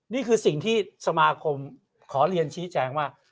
นี่คือสิ่งที่สมาคมขอเรียนชี้แจงว่า